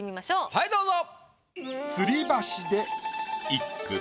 はいどうぞ。